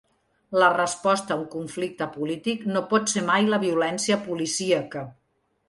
La resposta a un conflicte polític no pot ser mai la violència policíaca.